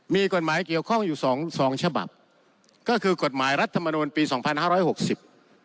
มีกฎหมายเกี่ยวข้องอยู่สองสองฉบับก็คือกฎหมายรัฐมนูลปีสองพันห้าร้อยหกสิบ